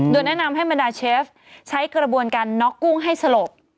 โดยแนะนำให้บรรดาเชฟใช้กระบวนการน็อกกุ้งให้สลบ